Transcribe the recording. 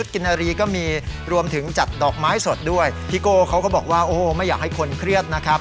กินนารีก็มีรวมถึงจัดดอกไม้สดด้วยพี่โก้เขาก็บอกว่าโอ้ไม่อยากให้คนเครียดนะครับ